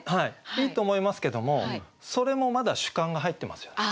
いいと思いますけどもそれもまだ主観が入ってますよね。